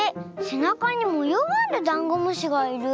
せなかにもようがあるダンゴムシがいる。